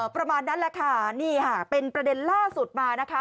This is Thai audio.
ประมาณนั้นแหละค่ะนี่ค่ะเป็นประเด็นล่าสุดมานะคะ